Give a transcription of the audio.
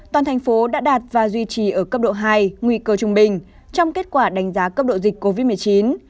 toàn thành phố đã đạt và duy trì ở cấp độ hai nguy cơ trung bình trong kết quả đánh giá cấp độ dịch covid một mươi chín